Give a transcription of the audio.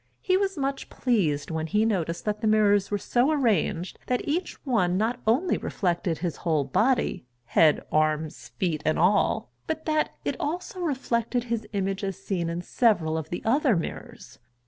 He was much pleased when he noticed that the mirrors were so arranged that each one not only reflected his whole body, head, arms, feet, and all, but that it also reflected his image as seen in several of the other mirrors.